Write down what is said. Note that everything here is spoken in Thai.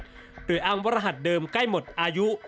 หรืออ้างว่ารหัสเดิมใกล้หมดอายุ